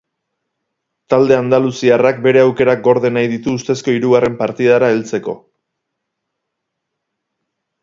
Talde andaluziarrak bere aukerak gorde nahi ditu ustezko hirugarren partidara heltzeko.